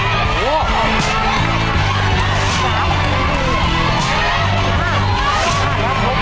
ถ้าพร้อมแล้วมันจะเป็นฝ่ายสุดค่ะ